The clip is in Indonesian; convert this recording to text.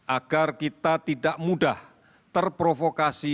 agar kita tidak mudah terprovokasi